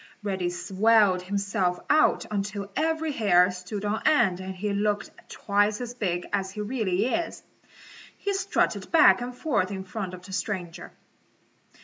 Reddy swelled himself out until every hair stood on end and he looked twice as big as he really is. He strutted back and forth in front of the stranger.